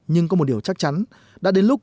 nhưng có một điều chắc chắn đã đến lúc